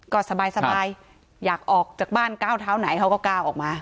ก็สบายอยากออกจากบ้านก้าวเท้าไหนเขาก็ก้าวออกมา